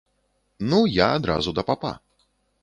Ну, я адразу да папа.